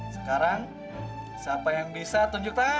sekarang siapa yang bisa tunjuk tangan